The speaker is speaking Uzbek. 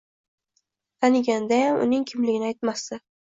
Tanigandayam uning kimligini aytmasdi.